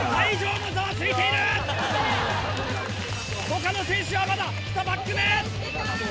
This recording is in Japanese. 他の選手はまだ２パック目。